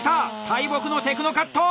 大木のテクノカット！